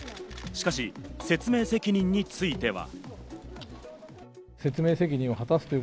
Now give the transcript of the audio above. しかし説明責任については。